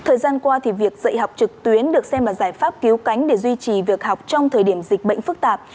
thời gian qua việc dạy học trực tuyến được xem là giải pháp cứu cánh để duy trì việc học trong thời điểm dịch bệnh phức tạp